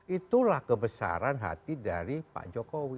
itulah kebesaran hati dari pak jokowi